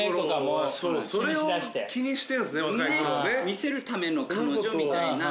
見せるための彼女みたいな。